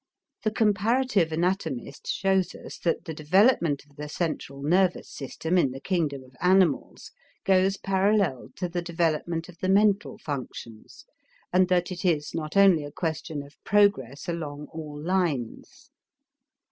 The comparative anatomist shows us that the development of the central nervous system in the kingdom of animals goes parallel to the development of the mental functions, and that it is not only a question of progress along all lines.